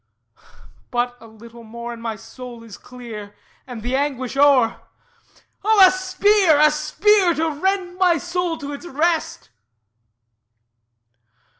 But a little more, And my soul is clear, And the anguish o'er! Oh, a spear, a spear! To rend my soul to its rest!